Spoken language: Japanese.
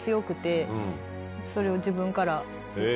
それを自分から。